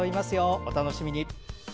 お楽しみに。